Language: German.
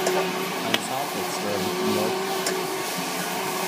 Ein Farbwechsler liegt dem Leuchtstreifen bei.